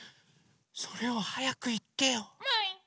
それをはやくいってよ。もい！